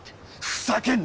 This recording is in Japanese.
ふざけんな！